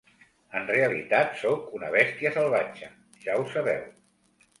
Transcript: En realitat, soc una bèstia salvatge, ja ho sabeu.